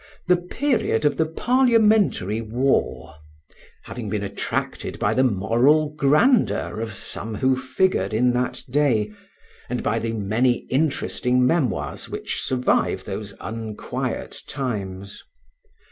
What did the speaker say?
the period of the Parliamentary War, having been attracted by the moral grandeur of some who figured in that day, and by the many interesting memoirs which survive those unquiet times.